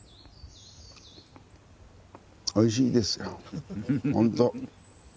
おいしいですよほんと。